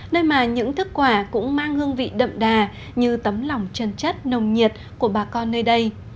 nơi mà những thức quả cũng mang hương vị đậm đà như tấm lòng chân chất nồng nhiệt của bà con nơi đây